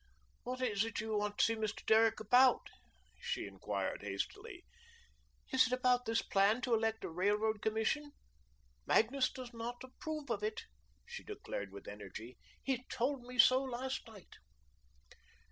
"What is it you want to see Mr. Derrick about?" she inquired hastily. "Is it about this plan to elect a Railroad Commission? Magnus does not approve of it," she declared with energy. "He told me so last night."